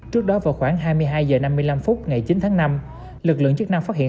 trước đó vào khoảng hai mươi hai h năm mươi năm phút ngày chín tháng năm lực lượng chức năng phát hiện